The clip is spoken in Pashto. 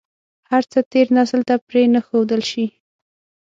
هر څه تېر نسل ته پرې نه ښودل شي.